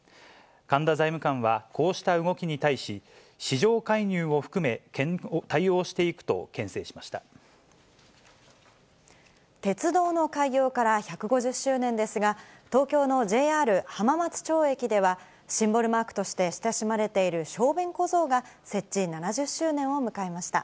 神田財務官は、こうした動きに対し、市場介入を含め、鉄道の開業から１５０周年ですが、東京のＪＲ浜松町駅では、シンボルマークとして親しまれている小便小僧が、設置７０周年を迎えました。